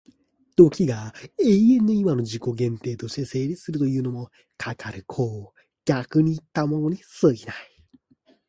時が永遠の今の自己限定として成立するというのも、かかる考を逆にいったものに過ぎない。